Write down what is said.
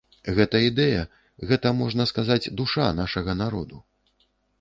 Гэта ідэя, гэта, можна сказаць, душа нашага народу.